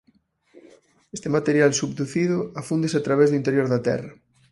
Este material subducido afúndese a través do interior da Terra.